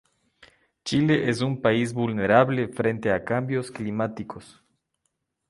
Chile es un país vulnerable frente a cambios climáticos.